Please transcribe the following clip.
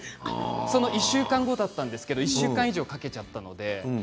その１週間後だったんですけど１週間以上かけちゃったので。